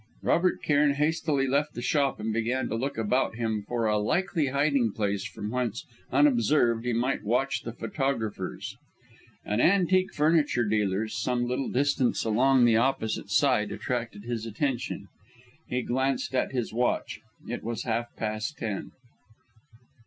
Robert Cairn hastily left the shop, and began to look about him for a likely hiding place from whence, unobserved, he might watch the photographer's. An antique furniture dealer's, some little distance along on the opposite side, attracted his attention. He glanced at his watch. It was half past ten.